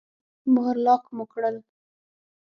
مهر او لاک مو کړل.